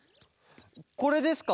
これですか？